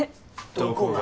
どこが。